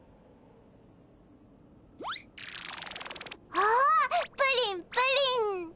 おプリンプリン。